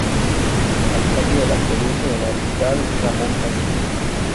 Alcalde de la Provincia de Mariscal Ramón Castilla.